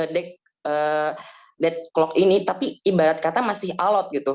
dari deklo ini tapi ibarat kata masih alat gitu